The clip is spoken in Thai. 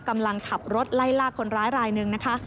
กำลังขับรถไล่ลากคนร้ายรายหนึ่งนะคะ